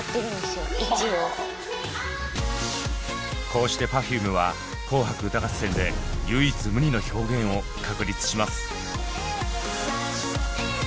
こうしてＰｅｒｆｕｍｅは「紅白歌合戦」で唯一無二の表現を確立します。